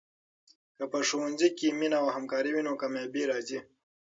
که په ښوونځي کې مینه او همکاري وي، نو کامیابي راځي.